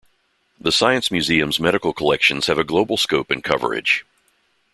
The Science Museum's medical collections have a global scope and coverage.